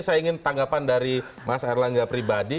saya ingin tanggapan dari mas erlangga pribadi